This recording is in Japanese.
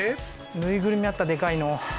縫いぐるみあったでかいの。